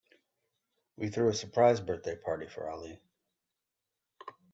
We threw a surprise birthday party for Ali.